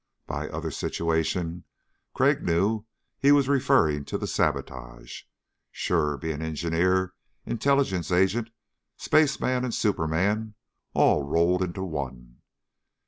By "other situation" Crag knew he was referring to the sabotage. Sure, be an engineer, intelligence agent, spaceman and superman, all rolled into one.